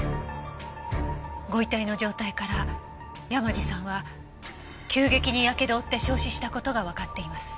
ご遺体の状態から山路さんは急激にやけどを負って焼死した事がわかっています。